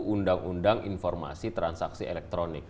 undang undang informasi transaksi elektronik